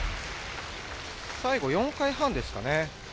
最後、４回半ですかね？